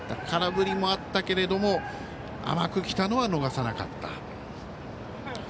空振りもあったけれども甘く来たのは逃さなかった。